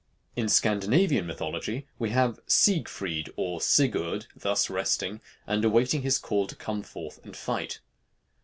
In Scandinavian mythology we have Siegfrid or Sigurd thus resting, and awaiting his call to come forth and fight.